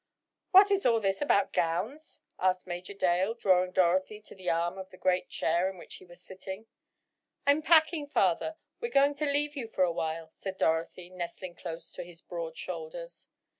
"What is all this about gowns?" asked Major Dale, drawing Dorothy to the arm of the great chair in which he was sitting. "I'm packing, father, we're going to leave you for a while," said Dorothy, nestling close to his broad shoulders.